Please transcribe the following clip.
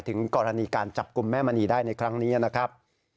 ถึงกรณีการจับกลุ่มแม่มณีได้ในครั้งนี้นะครับ